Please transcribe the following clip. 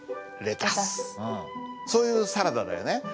そういうサラダだよね。